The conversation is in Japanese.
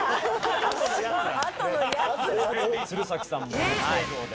鶴崎さんも初登場で。